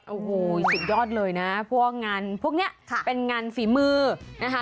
โอ้โหสุดยอดเลยนะพวกงานพวกนี้เป็นงานฝีมือนะคะ